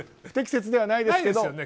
不適切ではないです。